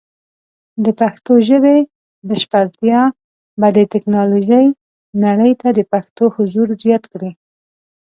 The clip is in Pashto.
د پښتو ژبې بشپړتیا به د ټیکنالوجۍ نړۍ ته د پښتنو حضور زیات کړي.